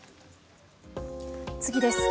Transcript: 次です。